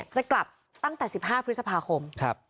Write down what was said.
จะกลับตั้งแต่๑๕พฤษภาคม